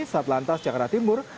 satu lantas jakarta timur